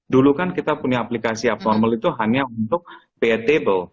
dulu kan kita punya aplikasi up normal itu hanya untuk pay at table